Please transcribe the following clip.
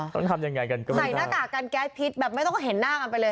ใส่หน้ากากันแก๊สพีทแบบไม่ต้องเห็นหน้ากันไปเลย